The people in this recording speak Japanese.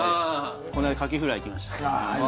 この間カキフライいきました